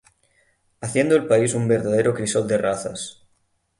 Haciendo el país un verdadero crisol de razas.